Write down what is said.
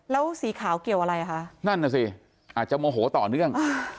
แล้วสีขาวเกี่ยวอะไรคะนั่นน่ะสิอาจจะโมโหต่อเนื่อง